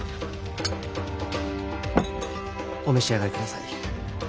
お召し上がり下さい。